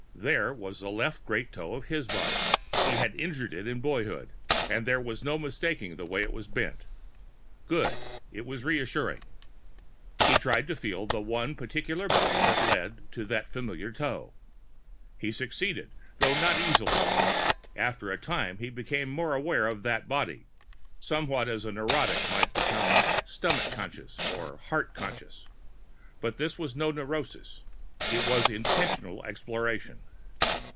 There was the left great toe of his body. He had injured it in boyhood and there was no mistaking the way it was bent. Good! It was reassuring. He tried to feel the one particular body that led to that familiar toe. He succeeded, though not easily. After a time, he became more aware of that body somewhat as a neurotic may become "stomach conscious" or "heart conscious." But this was no neurosis; it was an intentional exploration.